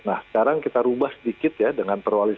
nah sekarang kita ubah sedikit ya dengan perwali satu ratus tujuh